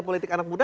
politik anak muda